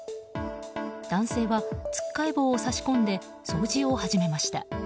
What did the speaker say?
男性はつっかえ棒を差し込んで掃除を始めました。